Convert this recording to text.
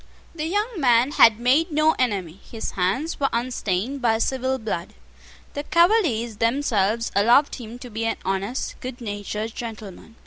The young man had made no enemy. His hands were unstained by civil blood. The Cavaliers themselves allowed him to be an honest, good natured gentleman.